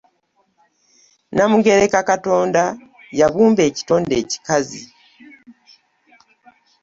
Namugereka Katonda yabumba ekitonde ekikazi!